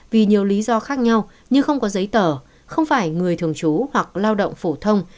vì nhiều lý do khác nhau như không có giấy tờ không phải người thường trú hoặc lao động phổ thông